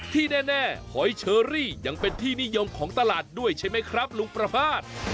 ที่แน่หอยเชอรี่ยังเป็นที่นิยมของตลาดด้วยใช่ไหมครับลุงประภาษณ์